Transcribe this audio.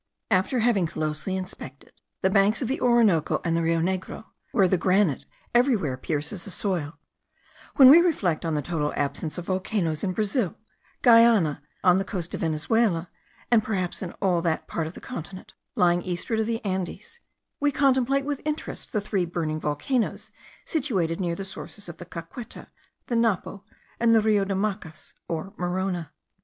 After having closely inspected the banks of the Orinoco and the Rio Negro, where the granite everywhere pierces the soil; when we reflect on the total absence of volcanoes in Brazil, Guiana, on the coast of Venezuela, and perhaps in all that part of the continent lying eastward of the Andes; we contemplate with interest the three burning volcanoes situated near the sources of the Caqueta, the Napo, and the Rio de Macas or Morona.